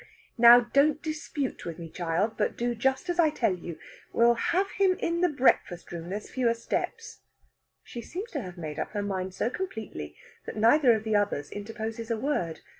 "Now, don't dispute with me, child, but do just as I tell you. We'll have him in the breakfast room; there's fewer steps." She seems to have made up her mind so completely that neither of the others interposes a word.